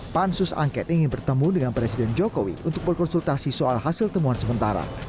pansus angket ingin bertemu dengan presiden jokowi untuk berkonsultasi soal hasil temuan sementara